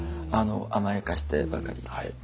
甘やかしてばかりいてっていう。